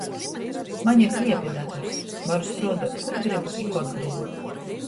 Maņ ir i kliepa dators — varu struoduot, kur grybu i kod grybu.